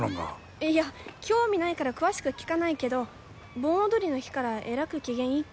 いや興味ないから詳しく聞かないけど盆踊りの日からえらく機嫌いいっけ。